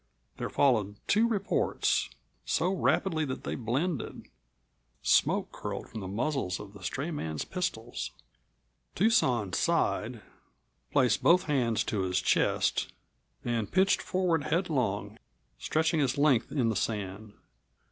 There followed two reports, so rapidly that they blended. Smoke curled from the muzzles of the stray man's pistols. Tucson sighed, placed both hands to his chest, and pitched forward headlong, stretching his length in the sand.